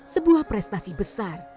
sebuah prestasi besar